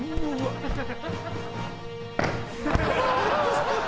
ハハハハ！